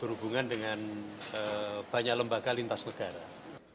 berhubungan dengan banyak lembaga lintas negara